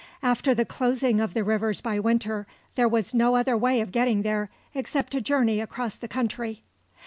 After the closing of the rivers by winter there was no other way of getting there except to journey across the country.